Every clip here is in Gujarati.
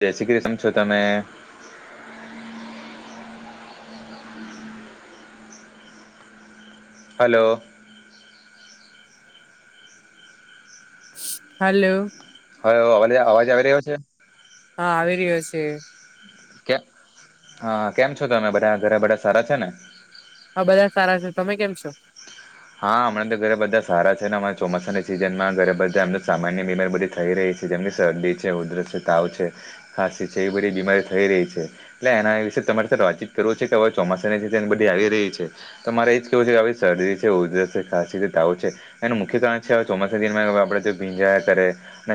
જાય શ્રી કૃષ્ણ કેમ છો તમે? હલો. હલો. હા અ એવો અવાજ આવી રહ્યો છે. હા આવી રહ્યો છે. કે હા કેમ છો તમે બધા ઘરે બધા સારા છે ને? હા બધા સારા છે. તમે કેમ છો? હા હમણાં તો ઘરે બધા સારા છે ને અમારા ચોમાસાની સિઝનમાં ઘરે બધા આમ તો સામાન્ય બીમારી બધી થઈ રહી છે. સીઝન ની શરદી છે, ઉધરસ છે, તાવ છે, ખાંસી છે એ બધી બીમારી થઈ રહી છે એટલે એના તમારી સાથે વાતચીત કરવી છે કે હવે ચોમાસાની જે એની બધી આવી રહી છે તમારે એજ કેવું છે કે શરદી છે ઉધરસ ને ખાસી ને તાવ છે એનું મુખ્ય કારણ છે આ ચોમાસા ની અંડર આપડે ભીંજાયા કરે.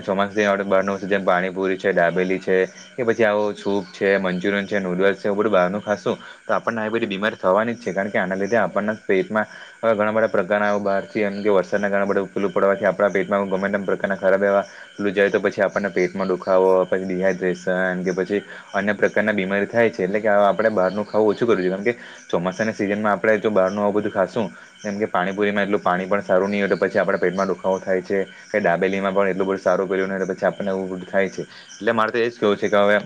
ચોમાસ બહાર જેમ પાણીપુરી છે, દાબેલી છે કે પછી આવો સૂપ છે, મંચુરિયન છે, નુડલ્સ બધું બારનું ખાસું તો આપણને આવી બધી બીમાર થવાની જ છે કારણ કે આના લીધે આપણ ને પેટમાં હવે ઘણા બધા પ્રકારના આવું બહાર છે એમ કે વરસાદ ના કારણે બધું ફૂલું પડવાથી આપણા પેટમાં ગમે તેમ પ્રકારના ખરાબ એવા પેલું જાય તો પછી આપણને પેટમાં દુખાવો પછી ડીહાઈડ્રેશન કે પછી અન્ય પ્રકારના બીમારી થાય. થાય છે એટલે કે આપણેે બારનું ખાવું ઓછું કરવું કેમ કે ચોમાસાના સિઝન માં આપણેે જો બહારનું આવુ બધું ખાશુ કેમ કે પાણીપુરીમાં એટલું પાણી પણ સારું ની હોય તો પછી આપણા પેટમાં દુખાવો થાય છે કે દાબેલીમાં પણ એટલ બધું સારું ને પછી આપણને એવું બધું થાય છે એટલે મારે તો એજ કેવું છે કે હવે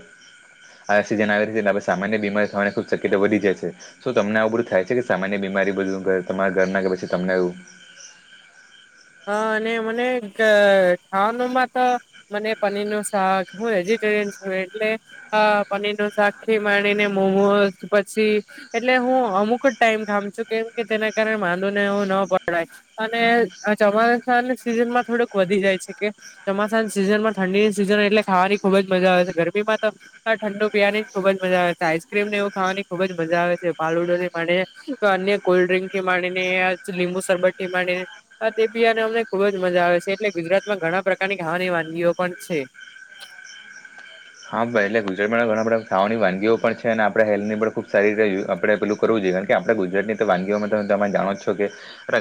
આ સિજન આવી છે કે સામાન્ય બીમારી થવાની ખુબ શક્યતા વધી જાય છે શું તમને આવું બધું થાય છે કે સામાન્ય બી બીમારી બધું તમારા ઘર ના કે પછી તમને એવું હા અને મને કે ખાવાનુંમાં તો મને પનીર નું શાક હોય જે એટલે પનીર નું શાક થી માડીને મોમોશ પછી એટલે હું અમુક જ ટાઈમ ખામ છું કેમ કે તેના કારણે માંદુ ને એવુ ન પડાય અને આ ચોમાસાની સીઝન માં થોડુંક વધી જાય છે કે ચોમાસાની સિઝન માં ઠંડી ની સિઝન એટલે ખાવાની ખુબ જ મજા આવે છે ગરમીમાં તો ઠંડુ પીવાની જ ખુબ જ મજા આવે છે. આઈસક્રીમને એવું ખાવાની ખુબ જ મજા આવે છે. ફાલુદા થી માંડી ને અન્ય કોલ્ડ્રિંકથી માંડી ને લીંબુ સરબત થી માંડીને હા તે બી અને અમને ખુબ જ મજા આવે છે એટલે ગુજરાતમાં ઘણા પ્રકારની ખાવાની વાનગીઓ પણ છે. [inaudible] હા ભાઈ એટલે ગુજરાતમાં ઘણા બધા ખાવાની વાનગીઓ પણ છે અને આપણે હેલ્થની પણ ખૂબ સારી રીતે આપડે પેલું કરવું જોઈએ. કારણ કે આપડે ગુજરાતની તો વાનગીઓમાં તમે જાણો જ છો કે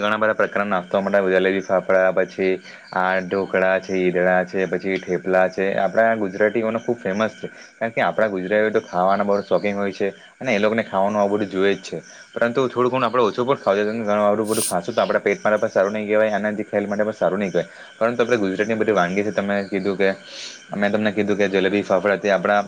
ઘણા બધા પ્રકારના નાસ્તો મલે. જલેબી, ફાફડા અ પછી આ ઢોકળા છે, ઈદડા છે પછી ઠેપલા છે આપડા ગુજરાતીઓનો ખૂબ ફેમસ છે. કારણ કે આપણાં ગુજરાતીઓ તો ખાવાના બહુ શોખીન હોય છે અને એ લોકોને ખાવાનું આવુ બધું જોએ જ છે. પરંત થોડું ઘણું આપણે ઓછું પણ ખાવુ જોઈએ. કારણ કે [unintelligible] આ બધું ખાશું તો આપણે પેટમાં પણ સારું નહી રેવાય. એનર્જી માટે સારું નઈ કેવાય. પરંતુ આપણે ગુજરાતની બધી વાનગી છે. તમે કીધું કે અમે તમને કીધું કે જલેબી ફાફડા તે આપણા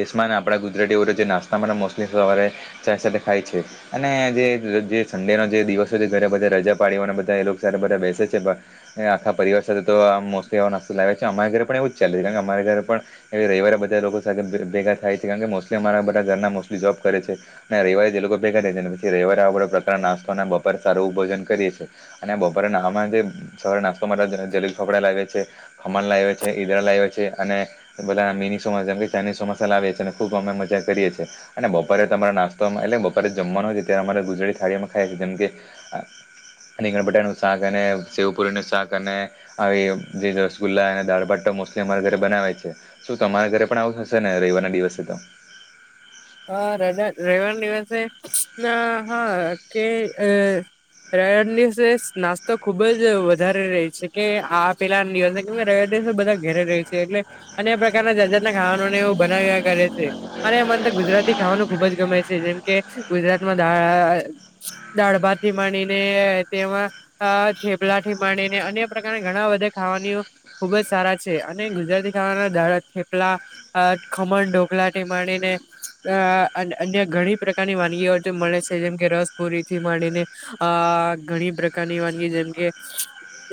દેશમાં ને આપડા ગુજરાતીઓ જે નાસ્તામાં મોસ્ટલી સવારે ચાય સાથે ખાય છે અને જે જે જે સંડેનો જે દિવસ હોય છે ત્યારે બધા રજા પાડીઓને બધા એ લોક સાથે બધા બેસે છે પણ આખા પરિવાર સાથે તો આ મોસ્ટલી એ નાસ્તો લાવે છે. અમારા ઘરે પણ એવું જ ચાલે. અમારે ઘરે પણ એવે રવિવારે બધા લોકો સાથે ભેગ-ભેગા થાય છે. કારણ કે મોસ્ટલી અમારા બધા ઘરના મોસ્ટલી જોબ કરે છે અને રવિવારે જ એ લોકો ભેગા થાય છે ને પછી રવિવારે આ બધા પ્રકાર નાસ્તો અને બપોરે સારું ભોજન કરીએે છીએ અને આ બપોરે નાવામાં બી સવારે નાસ્તો માટે જલે-જલેબી ફાફડા લાવે છે, ખમણ લાવે છે, ઈદડા લાવે છે અને બધા મીની સોમોસા જેમ કે ચાઇનીઝ સોમોસા લાવીએ છે ને ખૂબ અમે મજા કરીએ છીએ અને બપોરે તમારો નાસ્તો એટલે બપારે જમવાનો જ હોય. ત્યાં અમારે ગુજરાતી થાળી મે ખાઈ જેમ કે રીંગણ બટાનું શાક અને સેવપુરીનું શાક અને આવી જે રસગુલ્લા અને દાળ-ભાત તો મોસ્ટલી અમારા ઘરે બનાવે છે. શું તમારા ઘરે પણ આવું થશે ને? રવિવારના દિવસે તો. હા, રજા રવિવારના દિવસે ના હા કે અ રઈઆન દિવસે નાસ્તો ખુબ જ વધારે રહી છે કે આ પેલાન દિવસે ખબર બધા ઘરે રેય છે એટલે અને પ્રકારના જાત જાતના ખાવાને એવું બનાવ્યા કરે છે અને મ ગુજરાતી ખાવાનું ખુબ જ ગમે છે જેમ કે ગુજરાતમાં દાઅઅ- દાળભાતથી માંડી ને તેમાં અ થેપલાથી માંડીને અન્ય પ્રકારના ઘણા બધા ખાવાનીઓ ખુબ જ સારા છે અને ગુજરાતી ખાવાના દાડા થેપલા, અ ખમણ ઢોકલાથી માંડીને અ અન-અન્ય ઘણી પ્રકારની વાનગીઓ તે મલે સે. જેમ કે રસ-પુરીથી માંડીને આ ઘણી પ્રકારની વાનગી જેમ કે,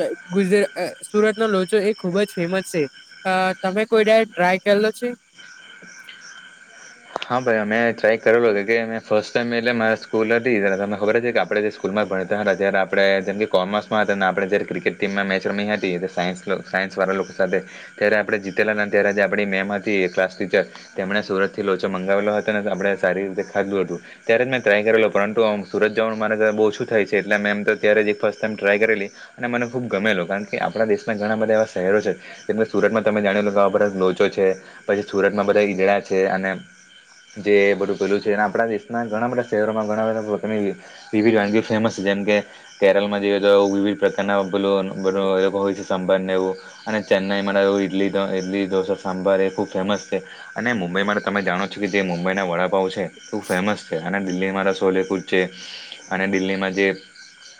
આય ગુજ આય સુરતનો લોચો એ ખુબ જ ફેમસ છે. અ તમે કોઈ દાડ ટ્રાય કર લ છે. [inaudible] હા, ભાઈ અમે ટ્રાય કરેલો છે કે મે ફર્સ્ટ ટાઈમે એટલે મારે સ્કૂલી હતી ત્યારે તમે ખબર જ હોય આપણે જે સ્કૂલમાં પણ ત હ રજા. જયાર આપડે જેમ કે કોમર્સમાં હતા અને આપણે જયારે ક્રિકેટ ટીમમાં મેચ રમી હતી તે સાયન્સ કલ સાયન્સવાળ લોકો સાથે ત્યારે આપણે જીતેલા ન ત્યારે આપણી મેમ હતી ક્લાસ ટીચર તેમણે સુરતથી લોચો મંગાવેલો હતો ને આપણે સારી રીતે ખાધું હતું. ત્યારે જ મેં ટ્રાય કરેલો. પરંતુ સુરત જવાનું મારા ઘરે બો ઓછું થાય છે. એટલે મે એમ તો ત્યારે એક ફર્સ્ટ ટાઈમ ટ્રાય કરેલી અને મને ખૂબ ગમેલો. કારણ કે આપણા દેશના ઘણા બધા એવા શહે રહેલો છે. જેમ કે સુરતમાં તમે જાણી લો કે આ બધા લોચો છે પછી સુરતમાં બધા ઈદડા છે અને [inaudible] જે બધું પહેલું છે અને આપણા દેશના ઘણા બધા શહેરોમાં ઘણા બધા પોતાની વિવિધ વાનગીઓ ફેમસ છે. જેમ કે કે કેરલમાં જઈએ તો વિવિધ પ્રકારના પેલો બધો અલગ હોય સંભર ને એવું અને ચન ઈમાં ને એવું ઈડલી ઢો-ઈડલી ઢોસા સાંભાર એ ખુબ ફેમસ છે અને મુંબઈમાં તો તમે જાણો તે મુંબઈના વડાપાંવ છે, એવું ફેમસ છે. અને દિલ્હીમાં તો સોલે કુલ્ચે અને દિલ્હીમાં જે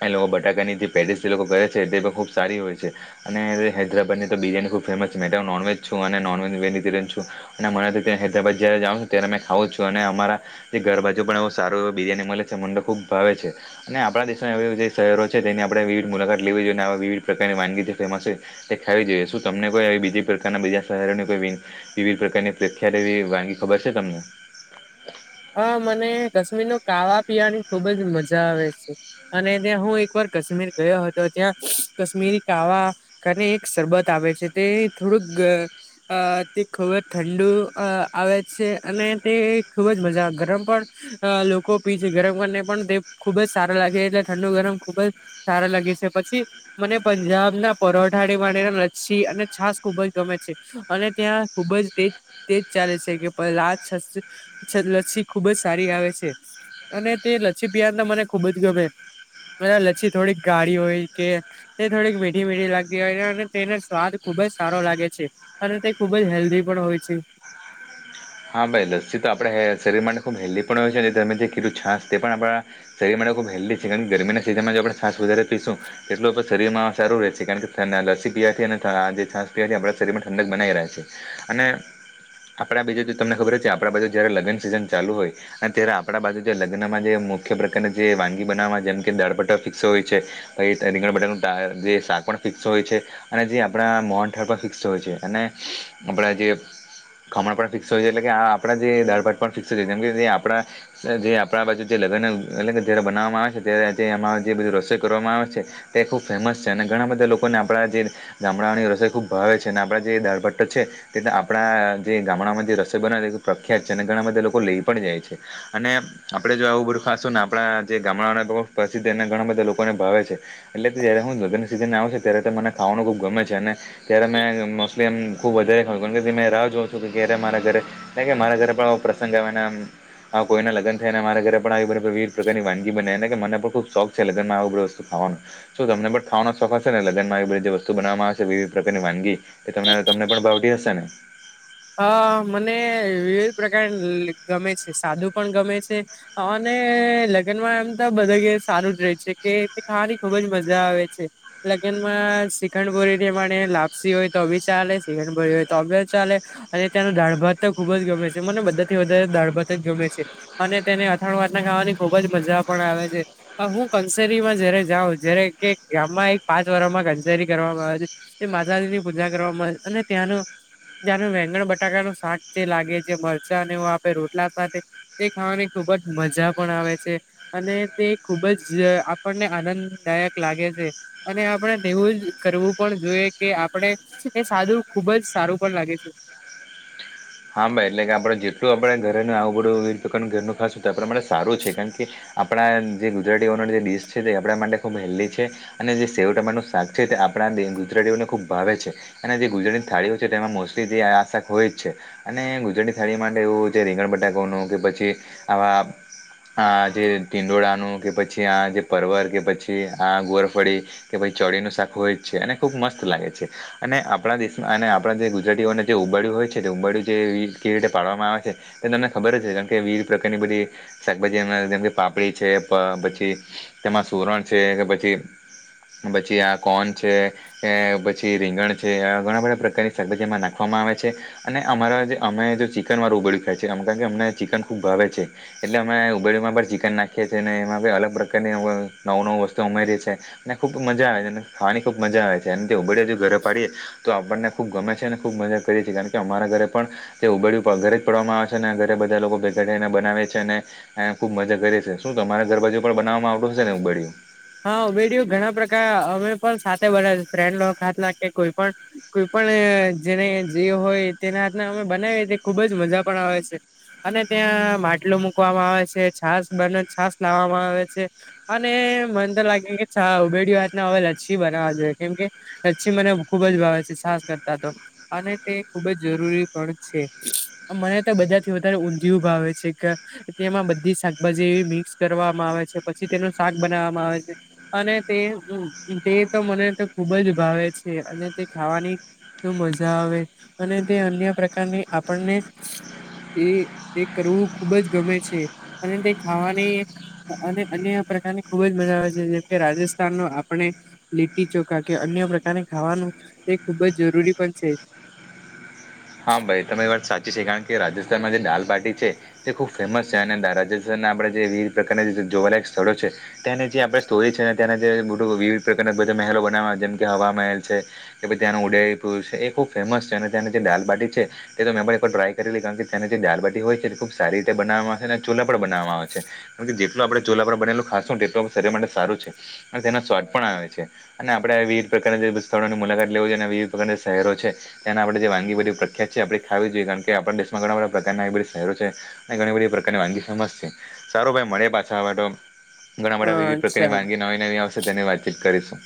એ લોકો બટાકાની જે પહલેસથી એ લોકો કરે છે તે તો ખૂબ સારી હોય છે અને હૈદરાબાદની તો બિરયાની ખૂ બ ફેમસ છે. મે તો નોનવેજ છું અને નોન વેનીટેરિયન છું અને મારાથી ત્યાં હૈદરાબા જ્યારે જાવ ન અત્યારે મે ખાવં છું અને અમારા જે ઘરબાજુ પણ એવ સારું એવ બિરિયાની મલે છે મન તો ખુબ ભાવે છે અને આપણા દેશના એવા એવા જે શહેરો છે તેની આપણે વિવધ મુલાકાત લેવી જોઈએ અને વિવિધ પ્રકારની વાનગી જે ફેમસ છે તે ખાવી જોઈ શું તમને કોઈ આવી બીજી પ્રકારના, બીજા શહેરોની કોઈ એવી વિવિધ પ્રકારની પ્રખ્યાત એવી વાગી ખબર છે તમને? હા, મને કશ્મીરનો કાવા પીવાની ખુબ જ મજા આવે છે અને ત્યાં હું એકવાર કશ્મીર ગયો હતો. ત્યાં કાશ્મીરી કાવા કરી એક શરબત આવે છે તે થોડુંક તે ખૂબ જ ઠંડુ આવે છે, અને તે ખૂબ જ મજા ગરમ પણ લોકો પી છે, ગરમ કરીને પણ તે ખુબ જ સારા લાગે છે, એટલે ઠંડુ ગરમ ખૂબ સારા લાગી છે, પછી મને પંજાબ ના પરોઠા વાડી લચ્છી, અને છાસ ખૂબ ખુજ ગમે છે, અને ત્યાં ખુબ જ તેજ તેજ ચાલે છે કે પ લચ્છી ખુબ જ સારી આવે છે, અને તે લચ્છી પીવા તો મને ખુબ જ ગમે બ લચ્છી થોડીક ગાળી હોય કે તે થોડીક મીઠી, મીઠી લાગતી હોય અને તેના સ્વાદ ખુબ જ સારો લાગે છે, અને તે ખુબ જ હેલ્ધી પણ હોય છે. હમ હા ભાઈ લસ્સી તો આપણાે શરીર માટે ખૂબ હેલ્ધી પણ હોય છે, અને તમે જે કીધું છાશ તે પણ આપણા શરીર માટે હેલ્ છે, કારણ ગરમના સીઝનમાં આપણે શસ વધ પીશું એટલું શરીરમાં સારું રહે છે કારણ કે થસી પીવાથી છાસ પીવાથી આપણા શરીર માં ઠંડક બનાઈ રહ્યા છે, અને આપડા બીજા તમને ખબર જ છે કે આપણા બાજુ જ્યારે લગ્ન સિઝન ચાલુ હોય, અને ત્યારે આપણા બાજુ જે લગ્નમાં જે મુખ્ય પ્રકારની જે વાનગી બનાવવા જેમ કે દાળપટા ફિક્સ હોય છે, રીંગણ બટાનું જે શાક પણ ફિક્સ હોય છે. અને જે આપણા મન ફિક્સ હોય છે, અને આપડા જે ખમણિક હો એટલે કે આ આપણા જે દભાટ ફિક્સ છે, જેમ કે જે આપણા જે આપણા બાજુ જે લગ્ન એ જ બનાવવામાં આવે છે ત્યારેમાં જે બધ રસોઈ કરવામાં આવે છે, તે ખુબ ફેમસ છે, અને ઘણા બધા લોકોને આપણા ગામડાની રસોઈ ખુબ ભાવે છે, અને આપણા જે દાળ ભટ્ટ છે, તે આપણા જે ગામડામાં ર બના પ્રખ્યાત છે અને ઘણા બધા લોકો લઈ પણ જાય છે, અને આપડે જો આવું બધું ખાસું ને આપણા જે ગામડા પ્રસિદ્ધ એ ઘણા બધા લોકોને ભાવે છે. એટલે જયારે હું જધર સીઝન આવશે ત્યારેને ખાવાનું ખુબ ગમે છે, અને ત્યારે મે મોસ્ટલીમ ખુબ વધારે ખાવ કારણ કે રાહ જોં છું કે્યારે મારા ઘ કે, મારા ઘરે પણ પ્રસંગ આવેનામ હ કોઈ ના લગનાય ને મારા ઘરે પણ આવી વિવિધ પ્રકારની વાનગી બનેને મને પણ ખુબ શોખ છે, લગનમાં બધી વસ્તુ ખ વા શ તમને પણ ખાવાનો શોખ હશે ને લગન માં બધી જે વસ્તુ બનાવામાં આવેશેધ પ્રકારની વાનગી એ ત તમને પણ ભાવટી હશે ને હ મને વિવિધ પ્રકાર ગમે છે સાદુ પણ ગમે છે, અને અને લગ્ન માં એમ તો બધા સારું જ રહે છે કે ખાવાની ખુબજ મજા આવે છે. લગન માં શીખણ પોરીમા લાપસી હોય તોી ચાલે શિખણ પોરી હોય તો ચાલે અને તેનો દાળ ભાત ખુબ જ ગમે છે. મને બધાથી વધારે દાળ ભાત જ ગમે છે, અને તેને અથાણ ખાવાની ખુબ જ મજા પણ આવે છે, હું કંસેરીમાં જયારે જાઉં જય કે ગામમાં એક પાંચ વર્ષમાં કંચેરી કરવામાં આવે છે, તે માતાજીની પૂજા કરવામાં આવે અને ત્યાંનું તનું વેંગણ બટાકા નું શાક, જે લાગે જે મરચાં ને આપે રોટલા સાથે એ ખાવાની ખુબ જ મજા પણ આવે છે, અને તે ખુબ જ આપણને આનંદદાયક લાગે છે. અને આપણે એવું જ કરવું પણ જોઈએ કે આપણે એ સાધું ખુબ જ સારું પણ લાગે છે. હા, ભાઈ એટલે કે આપડે જેટલું આપડે ઘરેનું આવું બધું ઘરનું ખાસું આપ સારું છે કારણ કે આપણા જે ગુજરાતીઓન જે ડડીશ છે, તે આપણા માટે ખૂબ હેલ્ધી છે અને જે સેવ ટાટું શાક છે. તે આપણા ગુજરાતીઓને ખુબ ભાવે છે અને જે ગુજરાતીની થાળીઓ છે, તેમાં મોસ્ટલી જે આશાક હોય જ છે. અને ગુજરડી થાળી માટે, એવું છે રીંગણ બટાકોનું કે પછી આવા આ જે દીંડોળનું કે પછી આ જે પવર કે પછી આ ગોરફળી કે પછી ચડીનું શાખ હોય જ છે, અને ખુબ મસ્ત લાગે છે, અને આપણા દેશમાં અને આપણા જે ગુજરાતીઓને જે ઉબાડ્યું હોય છે, તો ઉંડ્યું જે કેવી રીતે પાડવામાં આવે છે. તે તમને ખબર જ છે. કેમ કે વિવિધ પ્રકારની બધી શાકભાજી જે પાપડી છે, પછી તેમાં સુરણ છે, કે પછી પછી આ કોન છે, પછી રીંગણ છે, ઘણા બધા પ્રકારની શાકભાજીમાં નાખવા આવે છે, ને અમારા જે અમે જો ચિકન માર ઉબળ્યું ખાયએ છેીએ આમ કારણ કે અમને ચિકન ખૂબ ભાવે છે, એટલે અમે ઉબેળમાં ચિકન નાખીએ છીએ ને એમાં અલગ પ્રકારની નવું નવું વસ્તુ ઉમેરીએ છી ને ખુબ મજા આવે છે. પાની ખૂબ મજા આવે છે, અને તે ઉડે જો ઘરે પાડીએ તો આપણને ખુબ ગમે છે, અને ખૂબ મજા કરીએ છીએણ કે અરા ઘરે પણ તે ઉડ ઘરે જ પડવામાં આવે છે, ઘરે બધા લોકો ભેગા થને બનાવે છે. ને ખબ મજા કરે છે. શું તમારે ઘરબાજુ પણ બનાવવામાં આવ હા, ઉમેડયો ઘણા પ્રકાર અમે બધા ફ્રેન્ડાત કે કોઈ પણ કોઈ, પણ જેને જેવ હોય તેના અમે બનાવીએ ખુબ જ મજા પણ આવે છે. અને ત્યાં માટલું મુકવામાં આવે છે, છાત છ, બને છાસ લાવવામાં આવે છે. અને મન તો લાગે કે ચા ઉબેડી વાતને હવે લચ્છી બનાવવા જોઈએ, કેમ કે લચ્છી મને ખુબ ખબ જ વા છે, સાસ કરતા તો અને તે ખૂબ જ જરૂરી પણ છે, મને તો બધા થી વધારે ઊંધિય ઉ ભાવે છે કે એલે એમાં બધી શાકભાજી એવી મિક્સ કરવામા આવે છે, પછી તેનુ શાક બનાવવામાં આવે છે. અને તે તે તો મને તો ખૂબ જ ભાવે છે, અને તે ખાવાની તો મજા, આવે અને તે અન્ય પ્રકારની આપણને તે તે કરવુ ખુબ જ ગમે છે, અને તે ખાવાની અને અને પ્રકારની ખુબ જ મજા આવે છે. જેમ કે રાજસ્થાન ન આપણે લીટી ચોખા કે અન્ય પ્રકારને ખાવાનુ એ ખુબજ જરૂરી પણ છે. [inaudible] હા, ભાઈ તમે એ વાત સાચી છે કારણ કે રાજસ્થાનમાં જે દાલબાટી છે, તે ખુબ ફેમસ છે. અને રાજસ્થાન આપ જે વિવિધ પ્રના જોવાલાયક સ્થળો છે, તેને જે આપ સ્ટોરી છે અનેના બ વિવિધ પ્રકારના મહેલો બનાવા જેમ કે હવા મહેલ છે, કે ત્યાંનો ઉદેયપુર છે, એ ખુબ ફેમસ છે. અને્યાને જે ડ છે, તે તો મેં પણ એકર ટ્રાય કરી લ કારણ કે તની જે દાલબાટી હોય છે, તે ખુબ સારી રીતે બનાવામા ચુલા પણ બનાવામાં આવે છે. એમાથી જેટ ટલું આપડે ચુલા પર બનેલું ખાશુ ન તેટલુ શરીર માટે સારું છે. અને તેનો સ્વાદ પણ આવે છે. અને આપડે પ્રકારની જે બી સ્થળોની મુલાકાત લેવી અને વિવિધ પ્રકારની શહેરો છે. એના આપડે જે વાગી બધી પ્રખ્યાત છે. આપડે ખાવી જોઈએ કારણ કે આપડા દેશમાં ઘણા બધા પ્રકારના એ બધા શહેરો છે. અને ઘણી બધી પ્રકારની વાનગી સ મસ્ત છે. સારુ ભાઈ મળે પાછા, આવે તો ઘણા હ બધા વિવિધ પ્રકારની ચાલો વાનગી, નવી-નવી આવશે તેની વાતચીત કરીશું